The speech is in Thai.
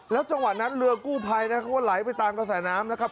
จังหวะนั้นเรือกู้ภัยนะครับเขาก็ไหลไปตามกระแสน้ำนะครับ